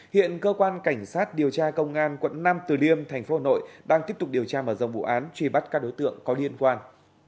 hiện cơ quan cảnh sát điều tra công an quận nam từ liêm thành phố hà nội đang tiếp tục điều tra mở rộng vụ án truy bắt các đối tượng có liên quan